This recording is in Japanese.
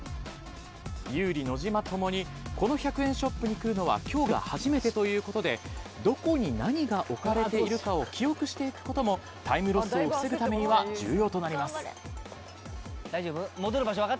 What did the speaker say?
ＹＯＵＲＩ野島共にこの１００円ショップに来るのは今日が初めてということでどこに何が置かれているかを記憶していくこともタイムロスを防ぐためには重要となります。